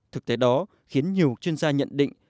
thực tế đó khiến nhiều chuyên gia nhận định